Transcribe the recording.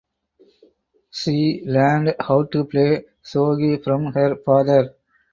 She learned how to play shogi from her father.